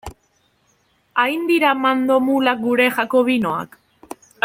Hain dira mandomulak gure jakobinoak?